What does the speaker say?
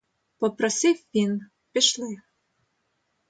Попросив він, — пішли.